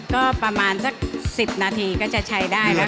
ก็ประมาณสัก๑๐นาทีก็จะใช้ได้แล้ว